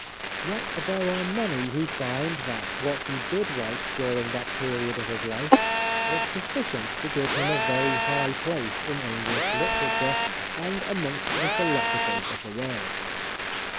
Yet there are many who find that what he did write during that period of his life was sufficient to give him a very high place in Enghsh literature and amongst the philosophers of the world.